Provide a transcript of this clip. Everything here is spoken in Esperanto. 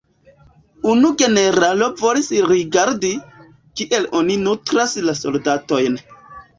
Unu generalo volis rigardi, kiel oni nutras la soldatojn.